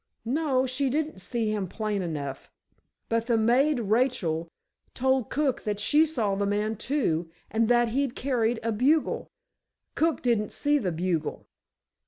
"No; she didn't see him plain enough. But the maid, Rachel, told cook that she saw the man, too, and that he carried a bugle. Cook didn't see the bugle."